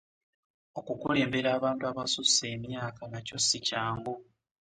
Okukulembera abantu abasusse emyaka nakyo si kyangu.!